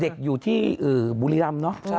เด็กอยู่ที่บุรีรำเนอะ